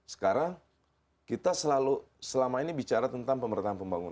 sekarang kita selalu selama ini bicara tentang pemerintahan pembangunan